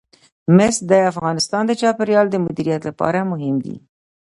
مس د افغانستان د چاپیریال د مدیریت لپاره مهم دي.